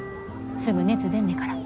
すぐ熱出んねから。